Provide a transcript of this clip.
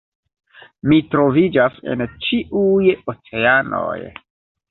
"Mi troviĝas en ĉiuj oceanoj!"